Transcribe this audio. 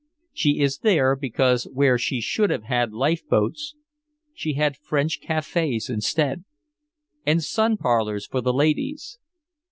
She is there because where she should have had lifeboats she had French cafés instead, and sun parlors for the ladies.